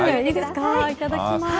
いただきます。